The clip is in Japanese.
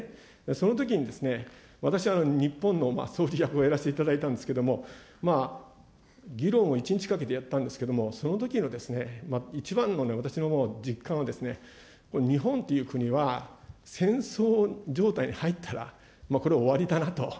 そのときに私は日本の総理役をやらせていただいたんですけれども、議論を１日かけてやったんですけれども、そのときの一番の私の実感は、日本という国は戦争状態に入ったら、これ、終わりだなと。